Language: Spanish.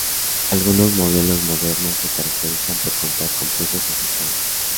Algunos modelos modernos se caracterizan por contar con pesos ajustables.